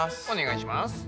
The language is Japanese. お願いします。